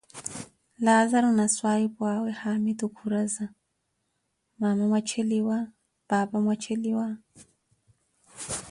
Laazaru na swaahipuawe haamitu khuraza: mama mwaripeliwa, paapa mwaripeliwa?